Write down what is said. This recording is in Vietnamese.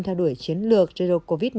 theo đuổi chiến lược do covid một mươi chín